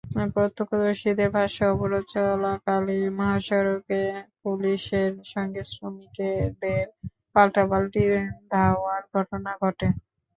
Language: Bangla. প্রত্যক্ষদর্শীদের ভাষ্য, অবরোধ চলাকালে মহাসড়কে পুলিশের সঙ্গে শ্রমিকদের পাল্টাপাল্টি ধাওয়ার ঘটনা ঘটে।